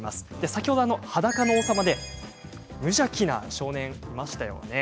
先ほど「はだかの王さま」で無邪気な少年いましたよね。